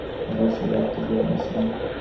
এত কষ্টের রাত তার জীবনে আসে নি।